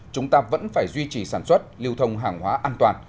chúng ta vẫn phải duy trì sản xuất lưu thông hàng hóa an toàn